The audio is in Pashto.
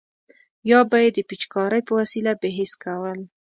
یا به یې د پیچکارۍ په وسیله بې حس کول.